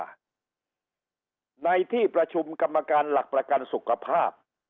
ในที่ประชุมกรรมการหลักประกันสุขภาพ